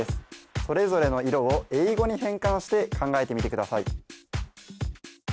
それぞれの色を英語に変換して考えてみてください